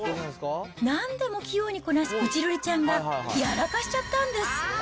なんでも器用にこなすこじるりちゃんがやらかしちゃったんです。